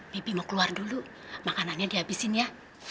pipi mau keluar dulu makanannya dihabisin ya